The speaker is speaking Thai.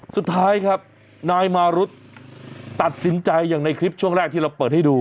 สุดท้ายครับนายมารุธตัดสินใจอย่างในคลิปช่วงแรกที่เราเปิดให้ดู